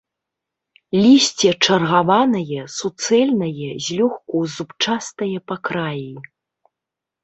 Лісце чаргаванае, суцэльнае, злёгку зубчастае па краі.